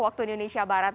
baik teddy selamat bertemu